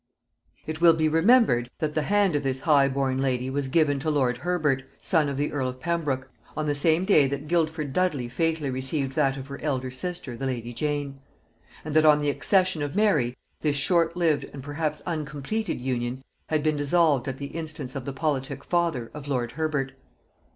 It will be remembered, that the hand of this high born lady was given to lord Herbert, son of the earl of Pembroke, on the same day that Guildford Dudley fatally received that of her elder sister the lady Jane; and that on the accession of Mary this short lived and perhaps uncompleted union had been dissolved at the instance of the politic father of lord Herbert.